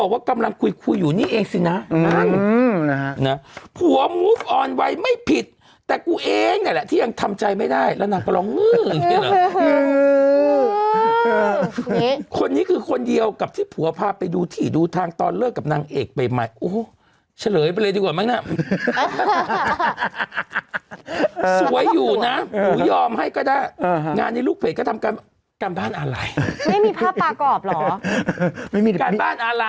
ยังไม่รู้ว่ามีเลยอ่าฮะอืมนี่ฮะไปคลบตรงชาติแน่นอนครับ